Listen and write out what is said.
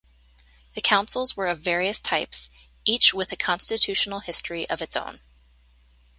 The councils were of various types, each with a constitutional history of its own.